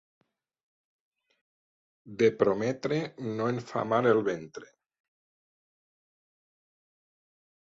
De prometre no en fa mal el ventre.